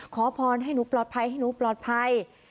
ขอพรให้หนูปลอดภัยให้หนูปลอดภัย